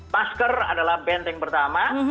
masker adalah benteng pertama